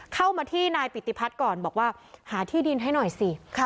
เข้ามาที่นายปิติพัฒน์ก่อนบอกว่าหาที่ดินให้หน่อยสิ